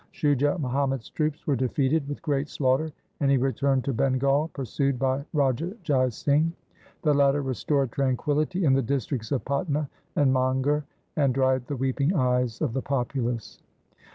Shujah Muhammad's troops were defeated with great slaughter and he returned to Bengal pursued by Raja Jai Singh. The latter restored tranquillity in the districts of Patna and Manger, and dried the weeping eyes of the populace.